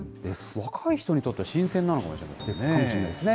若い人にとっては新鮮なのかもしれないですね。かもしれませんね。